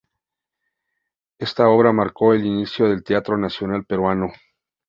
Esta obra marcó el inicio del teatro nacional peruano.